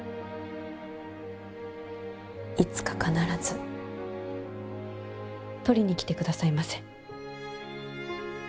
いつか必ず取りに来てくださいませ。